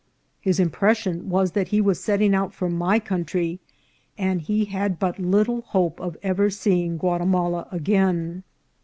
His impression was that he was setting out for my country, and he had but little hope of ever seeing Guatimala again.